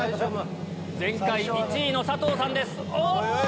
前回１位の佐藤さんです！